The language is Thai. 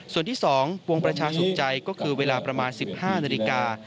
ส่วนที่๒วงประชาสุขใจก็คือเวลาประมาณ๑๕นาฬิกา